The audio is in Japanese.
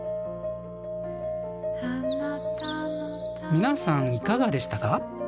皆さんいかがでしたか？